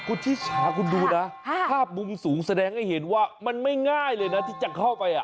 คุณชิสาคุณดูนะภาพมุมสูงแสดงให้เห็นว่ามันไม่ง่ายเลยนะที่จะเข้าไป